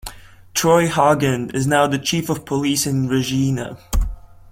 Troy Hagen is now the Chief of Police in Regina.